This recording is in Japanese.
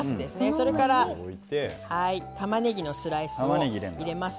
それからたまねぎのスライスを入れます。